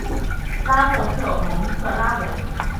拉莫特蒙特拉韦。